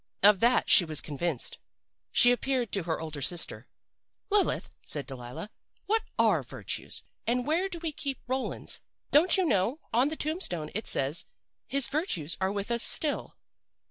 Of that she was convinced. She appealed to her older sister. 'Lilith,' said Delilah, 'what are virtues, and where do we keep Roland's? Don't you know, on the tombstone it says, "his virtues are with us still."